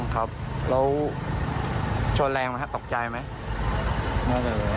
ครับแล้วชนแรงไหมครับตกใจไหม